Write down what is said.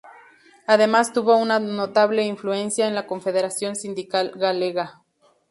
Además tuvo una notable influencia en la Confederación Sindical Galega.